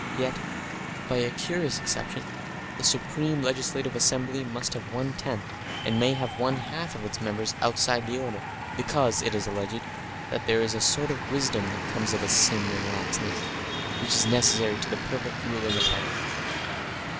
Yet, by a curious exception, the supreme legislative assembly must have one tenth, and may have one half of its members outside the order, because, it is alleged, there is a sort of wisdom that comes of sin and laxness, which is necessary to the perfect ruling of life.